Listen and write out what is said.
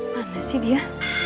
mana sih dia